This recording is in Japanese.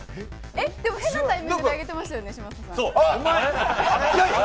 でも変なタイミングで上げてましたよね嶋佐さん。